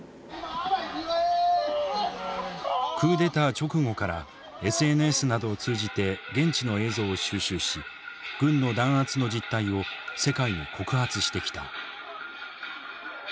クーデター直後からＳＮＳなどを通じて現地の映像を収集し軍の弾圧の実態を世界に告発してきた。